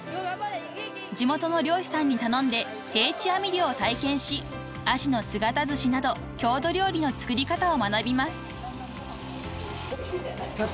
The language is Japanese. ［地元の漁師さんに頼んで定置網漁を体験しアジの姿ずしなど郷土料理の作り方を学びます］